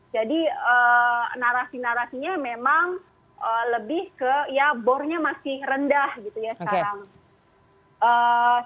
jadi narasi narasinya memang lebih ke ya bornya masih rendah gitu ya sekarang